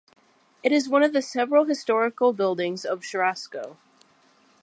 It is one of the several historical buildings of Cherasco.